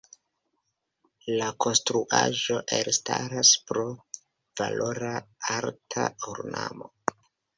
La konstruaĵo elstaras pro valora arta ornamo.